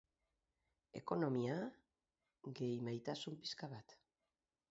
Ekonomia..., gehi maitasun pixka bat.